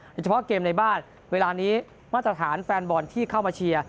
โดยเฉพาะเกมในบ้านเวลานี้มาตรฐานแฟนบอลที่เข้ามาเชียร์